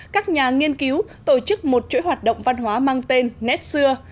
các nhà nghiên cứu tổ chức một chuỗi hoạt động văn hóa mang tên nét xưa